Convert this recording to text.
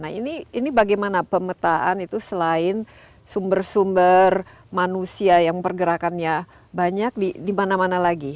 nah ini bagaimana pemetaan itu selain sumber sumber manusia yang pergerakannya banyak di mana mana lagi